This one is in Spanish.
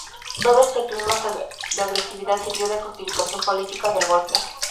Todo este clima de agresividad sirvió de justificación política del golpe.